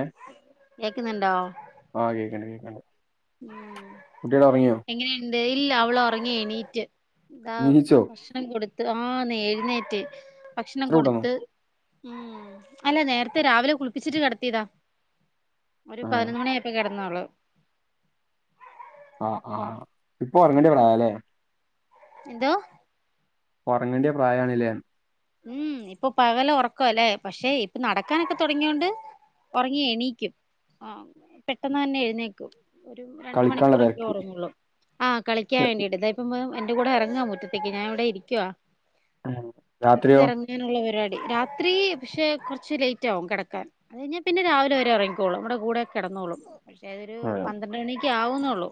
A കേക്കുന്നുണ്ടോ കേൾക്കണ്ട് കേൾക്കണ്ട് ഉം എങ്ങനെയ എന്ത് ഇല്ല അവള് ഉറങ്ങിയണീറ്റ് ഇതാ നീച്ചോ ഭക്ഷണം കൊടുത്ത് ആനേ എഴുന്നേറ്റ് ഭക്ഷണം ഇത്ര കൂട്ടന്നോ കൊടുത്ത് ഉം അല്ല നേരത്തെ രാവിലെ കുളിപ്പിച്ചിട്ട് കിടത്തിയതാ ഒരു ഏഹ് പതിനൊന്ന് മണിയ ആയപ്പോ കെട ന്നവള് ആഹ് ആഹ് ഇപ്പൊ ഒറങ്ങണ്ടിയവളാലേ എന്തോ ഉറങ്ങണ്ടേ പ്രായാണ് ലെ ഉം ഇപ്പൊ പകല് ഉറക്ക അല്ലെ, പക്ഷെ ഇപ്പൊ നടക്കാനൊക്കെ തുടങ്ങിയോണ്ട്. ഒറങ്ങി എണീയ്ക്കും ആ പെട്ടെന്ന് തന്നെ എഴുന്നേക്കും ഒരു രണ്ട് കളിക്കാനുള്ള മണിക്കൂറൊക്കെ തിരക്ക് ഒറങ്ങുള്ളൂ ആഹ് കളിക്കാൻ വേണ്ടിയിട്ട് ഇതാ ഇപ്പം മു എന്റെ കൂടെ എറങ്ങാ മുറ്റത്തേക്ക് ഞാൻ ഇവിടെ ഇരിക്കുവാ [unintelligible] ന്നിട്ട് തെറങ്ങാനുള്ള പരിപാടി രാത്രി പക്ഷേ കൊർച്ച് ലേറ്റാകും കെടക്കാൻ അത് കഴിഞ്ഞാൽ പിന്നെ രാവിലെ വരെ ഒറങ്ങിക്കോളും മ്മടെ കൂടെ കിടന്നോളും പക്ഷേ അതൊരു ആഹ് പന്ത്രണ്ട് മണിക്കേ ആവുന്നുള്ളു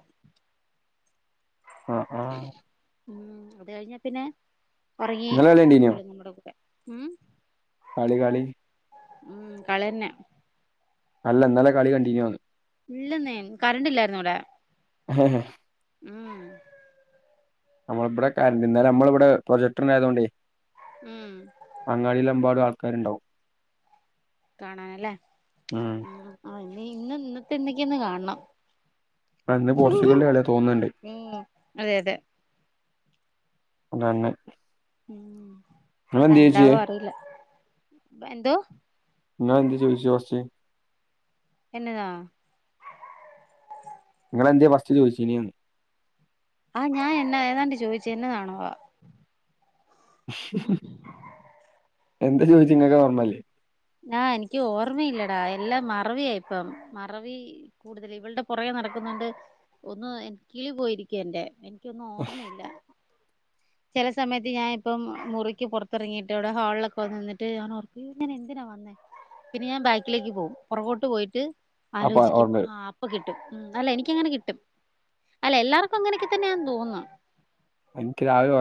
ആഹ് ഉം അത് കഴിഞ്ഞാ പിന്നെ ങ്ങള് കളികണ്ടീനോ ഉറങ്ങിക്കോളും [unintelligible] ഉം കളി കളി ഊം കള്യന്നെ അല്ല ന്നലെ കളി കണ്ടീനോന്ന് ഇല്ലന്നേ കറണ്ട് ഇല്ലായിരുന്നു ഇവിടെ ഉം നമ്മള ബടെ കര്ന്റ് ഇന്നാലെ നമ്മള ഇവിടെ പ്രൊജക്ടർ ഉണ്ടായതുകൊണ്ടേ ഉം അങ്ങാടിയിലെമ്പാടും ആൾക്കാരുണ്ടാവും കാണാന്ലേ ഊം നീ ഇന്ന് ഇന്നത്തെ ഇന്നക്കെന്ന് കാൺണം ആഹ് ഇന്ന് പോർച്ചുഗലിന്റെ കളിയാ തോന്ന്ണ്ട് ഉം അതെ അതെ അ [unintelligible] ഉം എന്താവാ അറിയില്ല എന്തോ ങ്ങളെന്തേ ചോയ്ച്ച് ഫസ്റ്റ് എന്നതാ അവൻ എന്തേ ഫസ്റ്റ് ചോദിച്ച് ഇനിയെന്ന് ആഹ് ഞാൻ എന്ന ഏതാണ്ട് ചോദിച്ചു എന്നതാണോ വാ എന്ത് ചോദിച്ചു ഇങ്ങക്കെ ഓർമ്മയില്ലേ ആ എനിക്ക് ഓർമ്മയില്ലടാ എല്ലാം മറവിയായിപ്പം മറവി കൂടുതൽ ഇവളുടെ പൊറകെ നടക്കുന്നൊണ്ട് ഒന്ന് എൻ കിളി പോയിരിക്കുവ എന്റെ എനിക്കൊന്നും ഓർമ്മയില്ല ചെല സമയത്ത് ഞാൻ ഇപ്പം മുറിക്ക് പൊറത്തെറങ്ങിട്ട് ഇവിടെ ഹാളിലൊക്കെ വന്ന് നിന്നിട്ട് ഞാൻ ഓർക്കും ഞാനെന്തിനാ വന്നേ പിന്നെ ഞാൻ ബാക്കിലേക്ക് പോകും പൊറകോട്ട് പോയിട്ട് അപ്പൊ ആലോചിക്കും ഓർമ്മ ആ അപ്പ കിട്ടും അല്ല എനിക്കങ്ങനെ കിട്ടും അല്ല എല്ലാർക്കും അങ്ങനെയൊക്കെ തന്നെയാണെന്ന് തോന്നുന്നു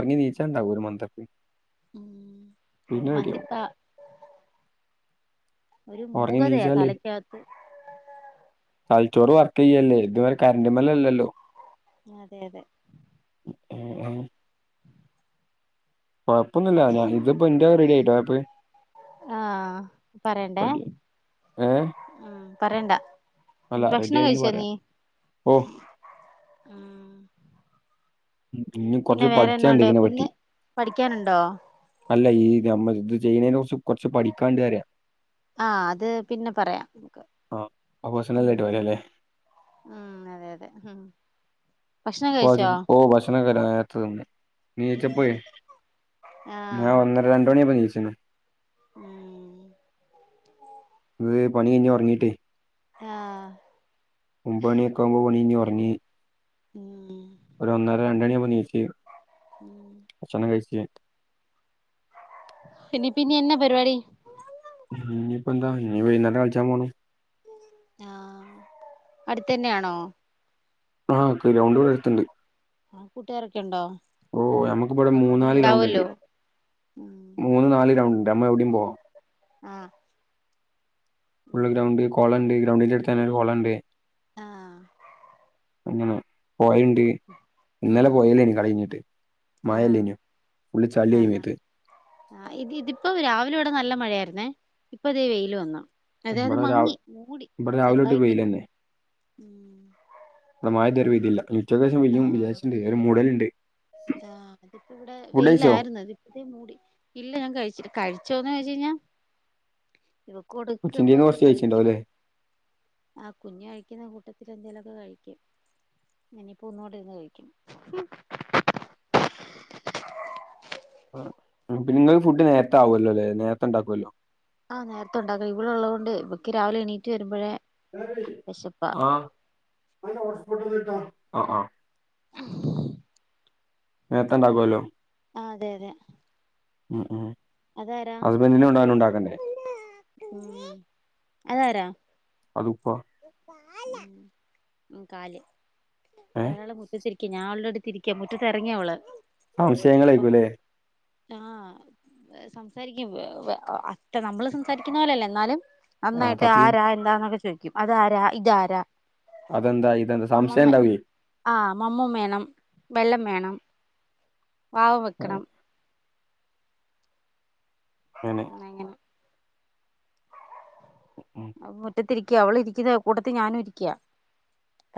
നി ണീച്ചാണ്ടാവും ഒരു മന്തം ഉം ഒരു മന്തിപ്പ ഒരു ഉറങ്ങി മൂകതയാ നീച്ചാലേ തലക്കകത്ത് നെയ്ചോറ് വർക്കയ്യല്ലേ ഇതുവരെ കറണ്ട്മേൽ അല്ലല്ലോ അതെ അതെ ഏഹ് ഏഹ് കൊഴപ്പൊന്നില്ല ഞാ ഇതിപ്പോ എന്റെ റെഡിയായിട്ടോ ആപ്പ് ആ പറയണ്ടേ റെഡി ഏഹ് ഉം പറയണ്ടാ അല്ല റെഡി ഭക്ഷണം ആയി എന്ന് കഴിച്ചോ പറയാം നീ ഓ ഉം ഉം, ഇനി പിന്നെ കുറച്ച് വേറെന്നാ പഠിച്ചാണ്ട് ഒണ്ട് ഇതിനെ പറ്റി ഇന്ന് പഠിക്കാനുണ്ടോ അല്ല ഈ നമ്മ ഇത് ചെയ്യുന്നതിനെ കുറിച്ച് കൊറച്ച് പഠിക്കാണ്ട് പറയാ ആ അത് പിന്നെ പറയാം നമുക്ക് ആ അത് ഉം പേഴ്സണലായിട്ട് പറയാല്ലെ ഉം അതെ അതെ ഉം ഭക്ഷണം കഴിച്ചോ പതും പോ ഭക്ഷണാക്കെ നേരത്തെ തിന്ന് ണീച്ചപ്പോഴെ ഉം ഞാൻ ആഹ് ഒന്നര രണ്ട്മണിയപ്പോ ണീച്ചിന് ഉം തെ [unintelligible] പണി കഴിഞ്ഞോറങ്ങിട്ടേ ആ ഒമ്പണിയക്കാമ്പോ പണിഴിഞ്ഞ് ഒറങ്ങി ഉം ഒരു ഒന്നര രണ്ടണിയമ്പ ണീച്ച് ഉം ഭക്ഷ്ണം കഴിച്ചിട്ട്‌ പിന്ന പിന്നെ എന്ന പരിപാടി നീയിപ്പ എന്താ നീ വൈന്നേരം കളിച്ചാൻ പോണം ആ അടുത്തന്നെയാണോ ആ ഗ്രൗണ്ട് വിടെ അടുത്തുണ്ട് ആ കൂട്ടുകാരൊക്കെ ഒണ്ടോ ഓ നമുക്കി ബടെ മൂന്നാല് ഗ്രൗണ്ട് ഇണ്ട് ഉം മൂന്ന് നാല് ഗ്രൗണ്ട് നമ്മളെവിടേം പോവാം ആ ഉള്ള ഗ്രൗണ്ട് കൊളണ്ട് ഗ്രൗണ്ടിന്റെ എടുത്ത് തന്നെ ഒരു കൊളണ്ട് ആ അങ്ങനെ പോയണ്ട് ഇന്നലെ ഉം പോയല്ലേനി കളികഞ്ഞിട്ട് ആഹ് മായല്ലെന്യൂ ഫുള്ള് ചളിയായി മേത്ത് ആ ഇത് ഇതിപ്പോ രാവിലെ ഇവിടെ നല്ല മഴയായിരുന്നേ ഇപ്പൊ ദേ വെയില് വന്നു അതെ അത് ഇവിടെ രാവി മങ്ങി മൂടി ഇവിടെ രാവിലെ തൊട്ട് ചെറുതായിട്ട് വടെ മഴെതുവരെ പെയ്തില്ല ചെറുതായിട്ട് പെയ്യും വിചാരിച്ചിട്ടുണ്ട് ഒരു മൂടല്ണ്ട് ആ ഇപ്പ ഇവിടെ വെയിലായിരുന്നു അതിച്ചിരി മൂടി ഇല്ല ഞാൻ കഴിച്ചില്ല കഴിച്ചോന്ന് ജ് ഞ കൊച്ചിൻ്റെ കയ്യിന്ന് കൊടുക്കുമ്പോക്കെ കുറച്ച് കഴിച്ചിട്ടുണ്ടാവും കഴിക്കും അല്ലേ ആ കുഞ്ഞ് കഴിക്കുന്ന കൂട്ട ന്നിട്ടെന്തെലൊക്കെ കഴിക്കും ഇങ്ങനേം പുന്നോടെ ഇരുന്ന് കഴിക്കും പിന്നെ നിങ്ങള് ഫുഡ് നേരത്തെ ആവല്ലോല്ലെ നേരത്തെ ഉണ്ടാക്കുവല്ലോ ആ നേരത്തെ ഒണ്ടാക്കണം ഇവളൊള്ളത് കൊണ്ട് ഇവക്ക് രാവിലെ എണീറ്റ് വരുമ്പഴേ ആ ആ ആ നേത്തണ്ടകുവല്ലോ ആ അതെ അതെ ഉം ഉം അതാരാ അതിപ്പോ എന്തേലും കൊണ്ടവാനും ണ്ടാക്കണ്ടേ [unintelligible] വ്ടെ ഏ ഒരാള് മുറ്റത്തിരിക്ക ഞാവള്ടട് തിരിക്ക മുറ്റത്തെറങ്ങി അവള് സംശയങ്ങളായിക്കുല്ലേ ആ സംസാരിക്കും വ് വ് അത്ര നമ്മള് സംസാരിക്കുന്ന പോലല്ല എന്നാലും ആ നന്നായിട്ട് തപ്പി ആരാ എന്താന്നൊക്കെ ചോദിക്കും അത് ആര ഇതാരാ അതെന്താ ഇതെന്താ സംശയം മമ്മൊമ്മേ ഉണ്ടാവേ ആ മമ്മം വേണം വെള്ളം വേണം വാവ വെക്കണം അങ്ങനെ ന്നെങ്ങെനെ ഉം. അപ്പ മുറ്റത്തിരിക്ക അവള് ഇരിക്കന്ന കൂട്ടത്തി ഞാനും ഇരിക്കാ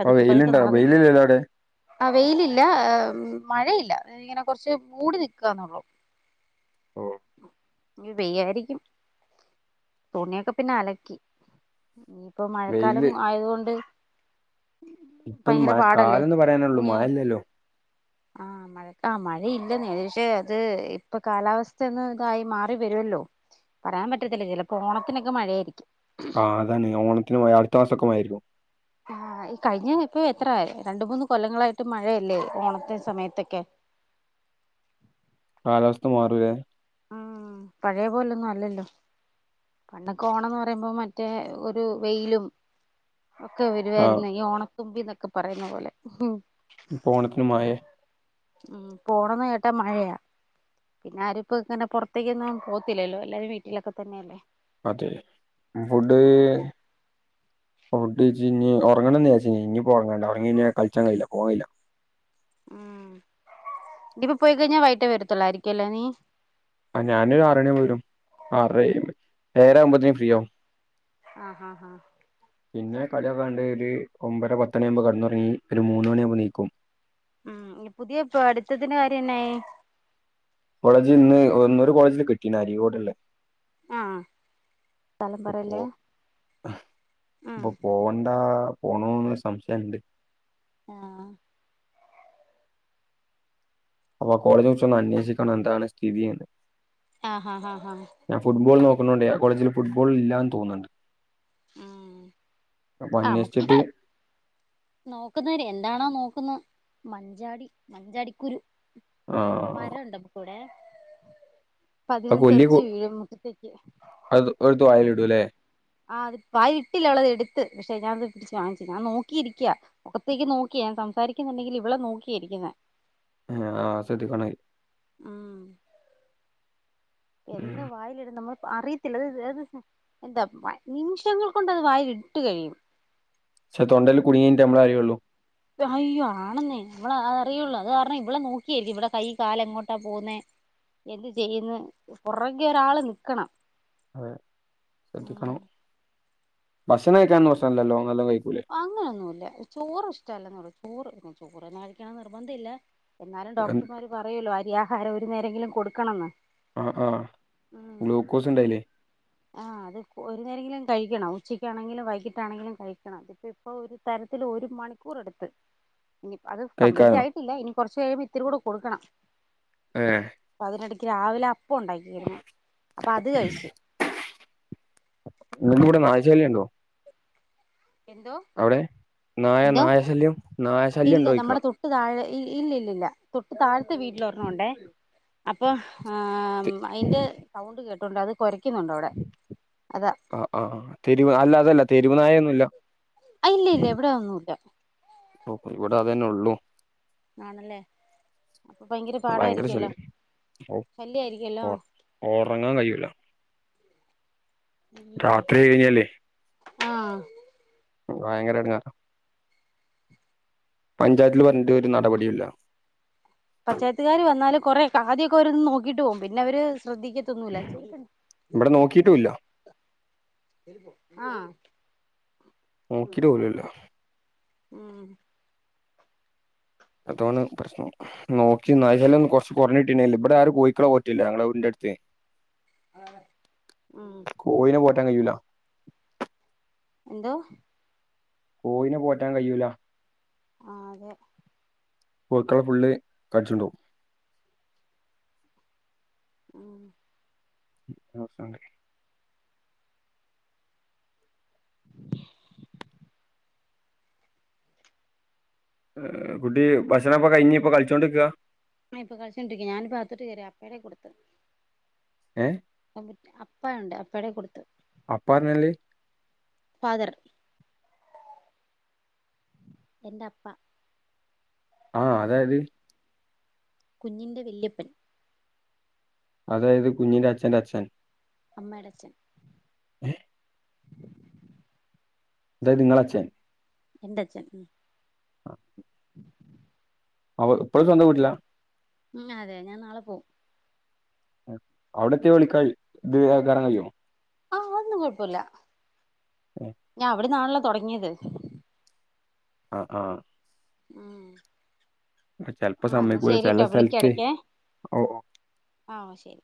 അപ്പൊ പതുക്ക വെയിലുണ്ടോ നടന്നു വെയിലില്ലല്ലോ അവിടെ ആ വെയിലില്ല ആ ഉം മഴയില്ല എഹ് ഇങ്ങനെ കുറച്ച് മൂടി നിക്കന്നള്ളു ഓ ഞ്ഞി പെയ്യായ്രിക്കും തുണിയൊക്ക പിന്നെ അലക്കി ഞ്ഞി പ്പൊ മഴക്കാലം വെയില് ആയതുകൊണ്ട് ഇപ്പൊ ഇനി ഭയങ്കര മഴ പാടല്ലേ കാലന്ന് പറയാനുള്ളൂ തുണിയല മഴല്ലല്ലോ ആ മഴ ആ മഴ ഴയില്ലെന്നെ ഏക്ഷെ അത് ഇപ്പൊ കാലാവസ്ഥ ഒന്ന് തായി മാറി വരുവല്ലോ പറയാൻ പറ്റത്തില്ല ചിലപ്പൊ ഓണത്തിനെക്ക മഴയായിരിക്കും ആ അതാണെ ഓണത്തിനു മഴ അടുത്ത മാസൊക്ക മഴ ആയിരിക്കും ആ ആ ആ ഈ കഴിഞ്ഞ ഇപ്പ എത്ര രണ്ട്, മൂന്ന് കൊല്ലങ്ങളായിട്ട് മഴയല്ലേ ഓണത്തിന് സമയത്തൊക്കെ കാലാവസ്ഥ മാറുവേ ആ പഴയ പോലൊന്നും അല്ലല്ലോ. പണ്ടൊക്കോ ഓണം പറയുമ്പോ മറ്റേ ഒരു വെയിലും. ഒക്കെ ആ വരുവായ്രുന്നെ ഈ ഓണത്തുമ്പിന്നൊക്ക പറയുന്ന പോലെ. ഇപ്പൊ ഓണത്തിനു മയാ. ഉം പ്പൊ ഓണം യെന്ന് കേട്ടാ മഴയാ. പിന്നെ ആരും ഇപ്പോ ഇങ്ങനെ പുറത്തേക്കൊന്നും പോത്തില്ലല്ലോ എല്ലാരും വീട്ടിലൊക്ക തന്നെയല്ലേ. അതെ ഫുഡ്. ഫുഡ്‌ കയിച്ചേഞ്ഞ് ഒറങ്ങണംന്ന് വിചാരിച്ച് ഞാൻ ഇനിപ്പൊ ഒറങ്ങണ്ട ഒറങ്ങി കഴിഞ്ഞ കളിച്ചാൻ കയില്ല പോവാൻ കയില്ല. ഉം ഇനിപ്പൊ പോയി കഴിഞ്ഞ വൈ കിട്ടേ വരത്തുള്ളായിരിക്കും അല്ലേ നീ. ആ ഞാനൊരു ആറണി ആവുമ്പോ വരും ആറര ഏഴ് ഏഴര ആവുമ്പാതെനും ഫ്രീയാവും. ആ ഹാ ഹാ. പിന്നെ കളിയൊക്കെ ക്കണ്ട് ഒരു ഒമ്പര പത്തമണിയാമ്പോ കെടന്നൊറങ്ങി ഒരു മൂന്ന് മണിയാമ്പൊ നീക്കും. ഉം പുതിയ പഠിത്തതിന്റെ കാര്യം എന്നായി? കോളേജ് ഇന്ന് ഒ ഇന്നൊരു കോളേജില് കിട്ടി അരിക്കോട്യോള്ള. ആഹ്. സ്ഥലം പ്പൊ പൊ പറയല്ലേ ഇപ്പൊ ആഹ് പോവണ്ട. പോണന്നൊര് സംശയുണ്ട്. ആ. അപ്പൊ ആ കോളേജേ കുറിച്ചൊന്ന് അന്വേഷിക്കണം എന്താണ് സ്ഥിതീയെന്ന്. ആ ഹാ ഹാ ഹാ ഹാ. പോന്നോണ്ടേ ആ കോളേജില് ഫുട്ബോൾ ഇല്ലാന്ന് തോന്ന്ണ്ട്. ഉം. ആ മ്മുക്കിപ്പോ അന്വേഷിച്ചിട്ട് നോക്കുന്നേനെ എന്താണോ നോ ക്കുന്ന മഞ്ചാടി മഞ്ചാടിക്കുരു ആ മരം ഉണ്ട് അപ്പൊ ഇവ്ടെ. അപ്പ ആ അതിന്ന് കൊല്ലി തെർച്ച് കൊ- വീഴും മുറ്റത്തേക്ക്. അത് എടുത്ത് വായിലിടും അല്ലേ ആ അത് വായിലിട്ടില്ല അവളത് എട് ത്ത് പക്ഷെ ഞാനത് പിടിച്ച് വാങ്ങിച്ച് ഞാൻ നോക്കിയിരിക്ക മൊഖത്തേക്ക് നോക്കി ഞാൻ സംസാരിക്കുന്ന്ണ്ടെങ്കിലും അവളെ നോക്കിയിരിക്കാ. ങ്ങനെ. ആ ആസധിക്കണായി. മ്മ്. ഉം. എന്ത വായിലിടുന്നേ നമ്മള്. അറിയത്തില്ല അത് അത് എന്താ നിമിഷങ്ങൾ കൊണ്ട അത് വായിൽ ഇട്ടു കഴിയും. പക്ഷെ തൊണ്ടൽ കുടുങ്ങി കഴിഞ്ഞട്ട് നമ്മള് അറിയുള്ളു. അയ്യോ ആണെന്നേ നമ്മള അ അറിയുള്ളൂ അത് കാരണം ഇവിടെ നോക്കിയായിരിക്കും ഇവിടെ കൈ കാല് എങ്ങോട്ടാ പോകുന്നെ. എന്ത് ചെയ്യന്ന് പുറകെ ഒരാള് നിക്കണം. അതെ ഉം ശ്രദ്ധിക്കണം ഭക്ഷണം കഴിക്കാൻ പ്രശ്നം ഇല്ലല്ലോ നല്ല കഴി അങ്ങനെയൊന്നുമല്ല ചോറ് ഇഷ്ട അല്ലെന്നേയുള്ളു ചോറ് ചോറ് തന്നെ കഴിക്കണോന്ന് നിർബന്ധം ഇല്ല. എന്നാലും എൻ- ഡോക്ടർമാർ പറയുമല്ലോ അരിയാഹാരം ഒരു നേരെങ്കിലും കൊടുക്കണമെന്ന്. ആ ആഹ ഗ്ലൂക്കോസ് ഉണ്ടായില്ലേ. ആ അത് ഒരു നേരരെങ്കിലും കഴിക്കണം ഉച്ചക്കാണെങ്കിലും വൈകിട്ടാണെങ്കിലും കഴിക്കണം അതിപ്പ ഇപ്പൊ ഒരു തര ത്തി ഒരു മണിക്കൂർ എടുത്ത് ഇനി അത് കംപ്ലീറ്റ് കഴിക്കാനോ ആയിട്ടില്ല ഇനി കുറച്ച കഴിയുമ്പോ ഇത്തിരി കൂടെ കൊടുക്കണം. ഏഹ്. അപ്പൊ അതിനിടയ്ക്ക് രാവിലെ അപ്പം ഉണ്ടാക്കിയിരുന്നു അപ്പോ അത് കഴിച്ചു. നിങ്ങക്ക് കവിടെ നായ് ശല്യം ഉണ്ടോ? എന്തോ അവിടെ നായ എന്തോ നായ ശല്യം നായ ശല്യം ഉണ്ടോ ഇല്ല ചോദിക്കാ നമ്മുടെ തൊട്ട് താഴെ ഇല്ല ഇല്ലല്ല തൊട്ട് താഴത്തെ വീട്ടില ഒരെണ്ണം ഉണ്ടേ അപ്പൊ ആ അതിന്റെ സൗണ്ട് കേട്ടോണ്ട് അത്. കൊരയ്ക്കുന്നുണ്ട് അവിടെ അതാ ആ ആഹ് തെരുവ് അല്ല അതല്ല തെരുവ്നായ ഒന്നും ഇല്ല. ഇല്ല ഇല്ല എവിടെ ഒന്നൂല്ല. ഹോ ഇവിടെ അതന്നെ ഉള്ളു. ആണല്ലേ അപ്പൊ ഭയങ്കര പാടായിരിക്കല്ലോ ഓ ഉറങ്ങാൻ കഴൂല രാത്രി കഴിഞ്ഞല്ലേ ആഹ ഭയങ്കര എടങ്ങാ പഞ്ചായത്തി പറഞ്ഞിട്ട് ഒരു നടപടില്ല പഞ്ചായത്തുകാര് വന്നാൽ കൊറെ ആദ്യൊക്കെ അവന്ന് നോക്കിട്ട് പോകും പിന്നെ അവര്- ശ്രദ്ധിക്കത്തൊന്നൂല ഇവിടെ നോക്കിയിട്ടുമില്ല ആ നോക്കിട്ടു പോലുമില്ല ഉ്മ അതോാണ് പ്രശ്നം നോക്കി നാലന്നും കുറച്ച് കുറഞ്ഞിട്ടുണ്ടല്ല ഇവിടെ ആരും കോയിക്കളോ പോറ്റില്ല ഞങ്ങളെ വ- ഉം കോയിനെ പോറ്റാൻ കഴിൂല എന്തോ കോയിനേ പോറ്റാൻ കഴിയൂല ആതെ കോയിക്കളെ ഫുള്ള് കടിച്ചുണ്ടും ഉം അസേ [unintelligible] കുട്ടി ഭക്ഷണംപ്പൊ കഴിഞ്ഞ ഇപ്പൊ കളിച്ചോണ്ടിരിക്കുക ആ ഇപ്പ കളിച്ചോണ്ടിരിക്കേ ഞാനിപ്പാ അകത്തോട്ടു വരിക അപ്പേയുടെ കൊടുത്ത- ഏ അപ്പുണ്ട് അപ്പടെ കൊടുത്തു അപ്പ പറഞ്ഞല്ലേ ഫാദർ എന്റെ അപ്പ ആഹ അതായായത് കുഞ്ഞിന്റെ വല്യപ്പൻ അതായത് കുഞ്ഞിന്റെ അച്ഛന്റെ അച്ഛൻ അമ്മ എടച്ചഛൻ [unintelligible] അതായത് നിങ്ങളച്ചൻ എന്റെച്ഛൻ മ് ആ അവ എപ്പോഴും സ്വന്തം വീട്ടിലാ മ് അതെ ഞാൻ നാളെ പോവും അവിടെ എത്തിയാൽ വിളിക്കാ ഇത് കറൻ കഴിയോ ആ അതൊന്നും കുഴപ്പമില്ല ഞാൻ അവിടന്നാണല്ലോ തുടങ്ങിയത് ആ ആ മ് ചെലപ്പോ സമയികൂല ചില വിളിക്ക സ്ഥലത്ത ഇടയ്ക്കേ ഓ- ആഹ് ശരി